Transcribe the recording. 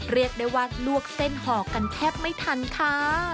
เรียกได้ว่าลวกเส้นห่อกันแทบไม่ทันค่ะ